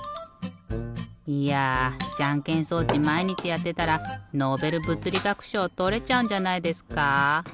いやじゃんけん装置まいにちやってたらノーベルぶつりがくしょうとれちゃうんじゃないですか？